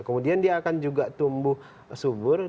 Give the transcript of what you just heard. kemudian dia akan juga tumbuh subur